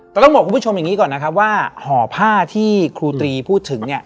แต่ต้องบอกคุณผู้ชมอย่างนี้ก่อนนะครับว่าห่อผ้าที่ครูตรีพูดถึงเนี่ย